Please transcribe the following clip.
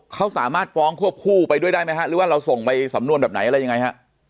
เขาสามารถฟ้องควบคู่ไปด้วยได้ไหมฮะหรือว่าเราส่งไปสำนวนแบบไหนอะไรยังไงฮะ